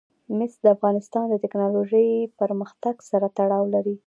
مس د افغانستان د تکنالوژۍ پرمختګ سره تړاو لري.